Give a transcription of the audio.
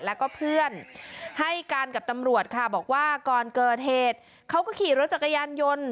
แล้วก็เพื่อนให้การกับตำรวจค่ะบอกว่าก่อนเกิดเหตุเขาก็ขี่รถจักรยานยนต์